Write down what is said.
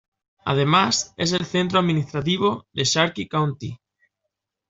Además, es el centro administrativo de Sharkey County.